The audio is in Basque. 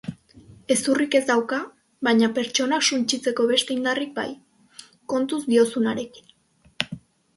Hezurrik ez dauka baina pertsonak suntsitzeko beste indarrik bai!. Kontuz diozunarekin.